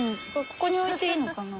ここに置いていいのかな？